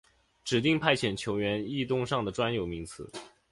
指定派遣球员异动上的专有名词。